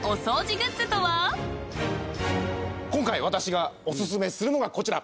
今回私がお薦めするのがこちら。